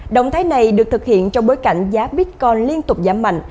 động thái này được thực hiện trong bối cảnh giá bitcoin liên tục giảm mạnh